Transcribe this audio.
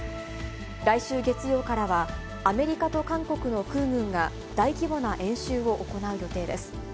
来週月曜からは、アメリカと韓国の空軍が大規模な演習を行う予定です。